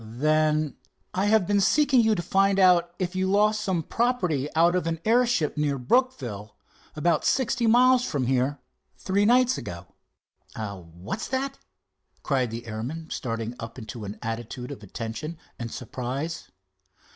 "Then——" "I have been seeking you to find out if you lost some property out of an airship near Brookville, about sixty miles from here, three nights ago." "Eh, what's that?" cried the airman, starting up into an attitude of attention and surprise.